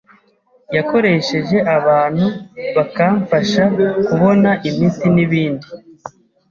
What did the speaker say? yakoresheje abantu bakamfasha kubona imiti n’ibindi